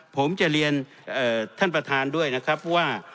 ผมจะเรียนท่านประธานด้วยนะครับว่า